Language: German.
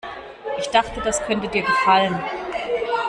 Ich dachte, das könnte dir gefallen.